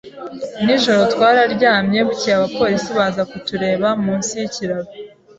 Nijoro twararyamye, bucyeye abapolisi baza kutureba munsi y’ikiraro